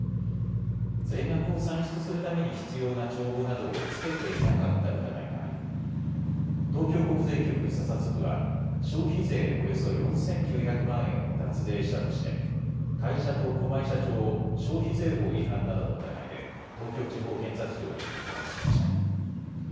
税額を算出するために必要な帳簿などをつけていなかった疑いがあり東京国税局査察部は消費税およそ４９００万円を脱税したとして会社と駒井社長を消費税法違反などの疑いで東京地方検察庁に告発しました。